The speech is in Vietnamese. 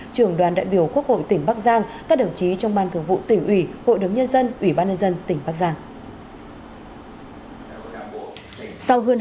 trưởng đoàn đại biểu quốc hội tỉnh bắc giang các đồng chí trong ban thường vụ tỉnh ủy hội đồng nhân dân ủy ban nhân dân tỉnh bắc giang